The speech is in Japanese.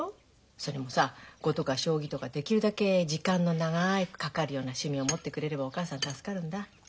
それもさ碁とか将棋とかできるだけ時間の長くかかるような趣味を持ってくれればお母さん助かるんだ。